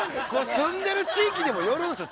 住んでる地域にもよるんですよ